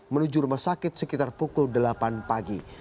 menuju rumah sakit sekitar pukul delapan pagi